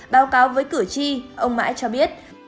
báo cáo với cử tri ông mãi cho biết